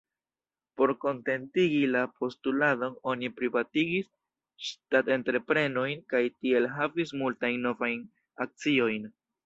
Por kontentigi la postuladon oni privatigis ŝtat-entreprenojn kaj tiel havis multajn novajn akciojn.